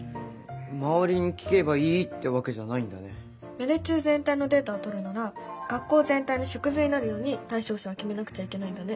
芽出中全体のデータをとるなら学校全体の縮図になるように対象者を決めなくちゃいけないんだね。